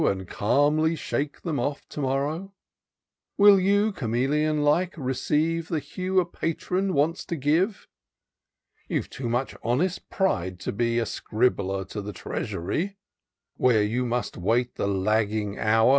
And calmly shake them off to morrow ? Will you, chameleon like, receive The hue a patron wants to give ?— You've too much honest pride to be A scribbler to the Treasury ; Where you must wait the lagging hour.